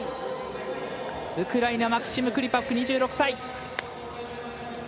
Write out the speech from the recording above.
ウクライナマクシム・クリパク２６歳。